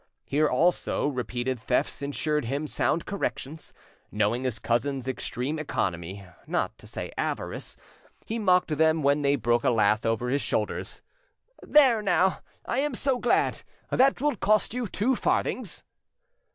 Here also repeated thefts insured him sound corrections. Knowing his cousins' extreme economy, not to say avarice, he mocked them when they broke a lath over his shoulders: "There now, I am so glad; that will cost you two farthings!"